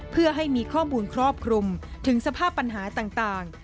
เพื่อให้มีข้อมูลครอบคลุมถึงสภาพปัญหาต่าง